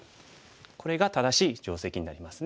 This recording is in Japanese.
これが正しい定石になりますね。